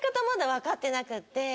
まだ分かってなくって。